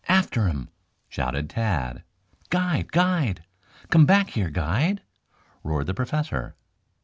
"After him!" shouted Tad. "Guide! Guide! Come back here, guide!" roared the Professor.